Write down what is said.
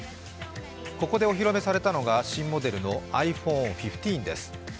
ここでお披露目されたのが新モデルのｉＰｈｏｎｅ１５です。